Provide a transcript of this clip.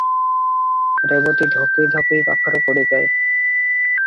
ରେବତୀ ଧକେଇ ଧକେଇ ପାଖରେ ପଡ଼ିଯାଏ ।